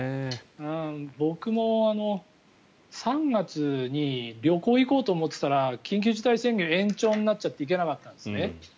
僕も３月に旅行に行こうと思ってたら緊急事態宣言延長になっちゃって行けなかったんですね。